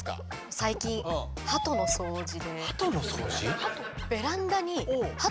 最近ハトの掃除？